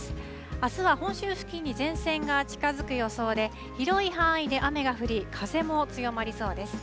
あすは本州付近に前線が近づく予想で広い範囲で雨が降り風も強まりそうです。